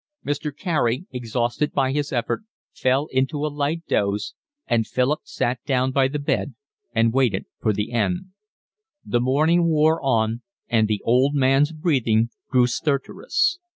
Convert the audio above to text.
Mr. Carey, exhausted by his effort, fell into a light doze, and Philip sat down by the bed and waited for the end. The morning wore on, and the old man's breathing grew stertorous.